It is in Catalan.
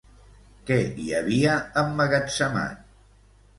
Què hi havia emmagatzemat?